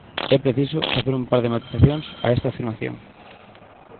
É preciso facer un par de matizacións a esta afirmación.